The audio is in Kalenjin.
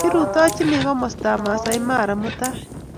Kirutochini komastab Maasai Mara mutai.